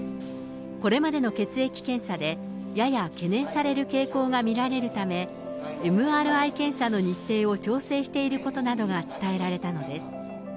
これまでの血液検査で、やや懸念される傾向が見られるため、ＭＲＩ検査の日程を調整していることなどが伝えられたのです。